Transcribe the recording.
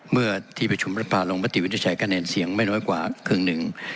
เมื่อที่ประชุมรัฐภาลงมติวินิจฉัยคะแนนเสียงไม่น้อยกว่าครึ่งหนึ่ง